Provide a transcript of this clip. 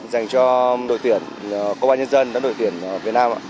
dành cho đội tuyển công an nhân dân và đội tuyển việt nam